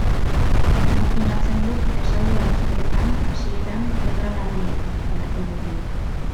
Imajinatzen dut esaldi guztietan hasieran letra larria beharko dugula.